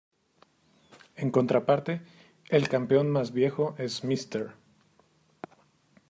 En contraparte, el campeón más viejo es Mr.